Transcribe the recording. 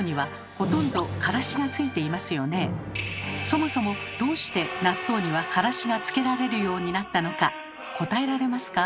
そもそもどうして納豆にはからしがつけられるようになったのか答えられますか？